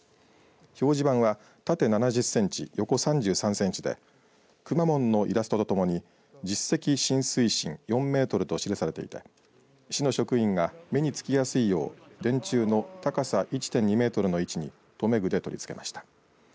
表示板は縦７０センチ、横３３センチでくまモンのイラストとともに実績浸水深４メートルと記されていて市の職員が目につきやすいよう電柱の高さ１．２メートルの位置に留め具で取り付けました。